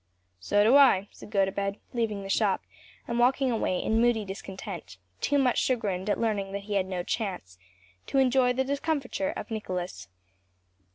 "So do I," said Gotobed, leaving the shop and walking away in moody discontent; too much chagrined at learning that he had no chance, to enjoy the discomfiture of Nicholas.